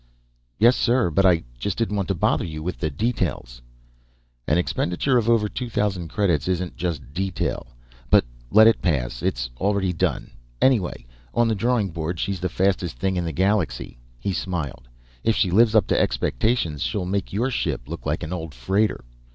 "Yes, sir, but I just didn't want to bother you with details." "An expenditure of over two thousand credits isn't just detail; but let it pass. It's already done. Anyway, on the drawing board she's the fastest thing in the galaxy." He smiled. "If she lives up to expectations, she'll make your ship look like an old freighter.